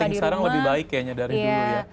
parenting sekarang lebih baik ya dari dulu ya